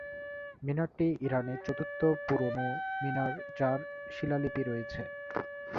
মিনারটি ইরানের চতুর্থ পুরনো মিনার, যার শিলালিপি রয়েছে।